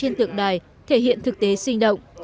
hình tượng đài thể hiện thực tế sinh động